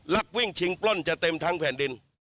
รักวิ่งชิงปล้นจะเต็มทั้งแผ่นดิน